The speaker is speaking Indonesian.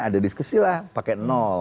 ada diskusi lah pakai satu dua